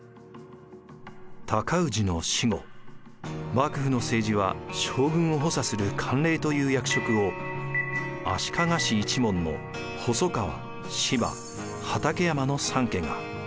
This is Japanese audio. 尊氏の死後幕府の政治は将軍を補佐する管領という役職を足利氏一門の細川・斯波・畠山の三家が。